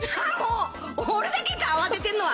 俺だけか、慌ててるのは。